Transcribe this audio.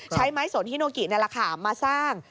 ใช้ไม้สนฮิโนกิในระขามมาสร้าง